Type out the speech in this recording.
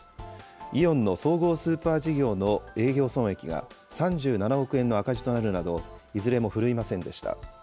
イオンの総合スーパー事業の営業損益が３７億円の赤字となるなど、いずれも振るいませんでした。